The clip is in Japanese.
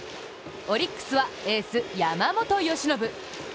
オリックスはエース・山本由伸。